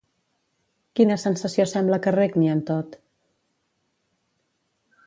Quina sensació sembla que regni en tot?